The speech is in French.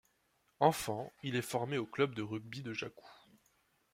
Enfant, il est formé au club de rugby de Jacou.